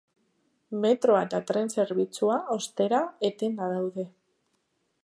Metroa eta tren zerbitzua, ostera, etenda daude.